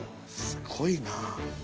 すごいな。